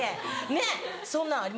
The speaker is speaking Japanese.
ねっそんなんありましたよね。